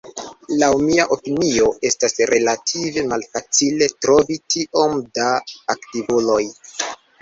Laŭ mia opinio estus relative malfacile trovi tiom da aktivuloj.